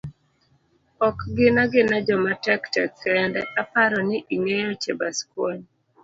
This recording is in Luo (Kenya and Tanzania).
ok gina gina joma tek tek kende, aparo ni ingeyo Chebaskwony.